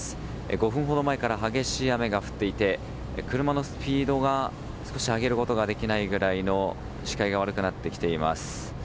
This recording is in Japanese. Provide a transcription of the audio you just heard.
５分ほど前から激しい雨が降っていて車のスピードを上げることができないぐらいに視界が悪くなってきています。